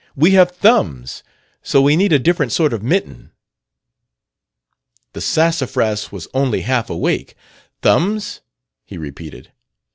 We have thumbs! So we need a different sort of mitten.' "The Sassafras was only half awake. 'Thumbs?' he repeated.